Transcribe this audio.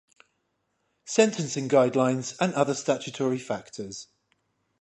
Sentencing Guidelines and other statutory factors.